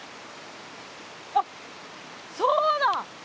あそうだ！